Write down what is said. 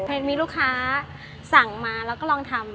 มีลูกค้าสั่งมาแล้วก็ลองทำ